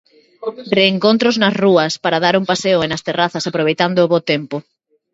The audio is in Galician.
Reencontros nas rúas, para dar un paseo e nas terrazas aproveitando o bo tempo.